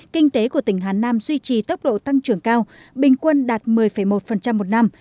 kinh tế của tỉnh hà nam duy trì tốc độ tăng trưởng cao bình quân đạt một mươi một một năm